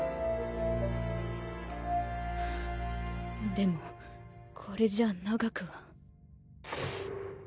でもこれじゃ長くは。